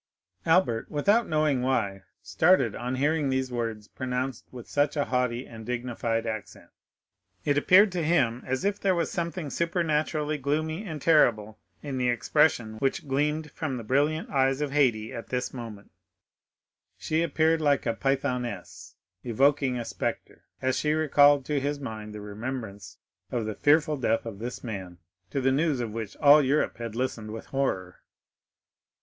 Albert, without knowing why, started on hearing these words pronounced with such a haughty and dignified accent; it appeared to him as if there was something supernaturally gloomy and terrible in the expression which gleamed from the brilliant eyes of Haydée at this moment; she appeared like a Pythoness evoking a spectre, as she recalled to his mind the remembrance of the fearful death of this man, to the news of which all Europe had listened with horror.